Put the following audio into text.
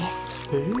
へえ。